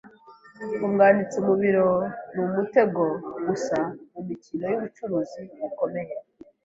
Umwanditsi mu biro ni umutego gusa mumikino yubucuruzi bukomeye.